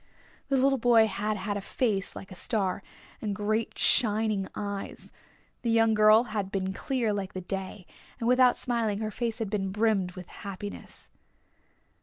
The little boy had had a face like a star, and great shining eyes. The young girl had been clear like the day, and without smiling her face had been brimmed with happiness.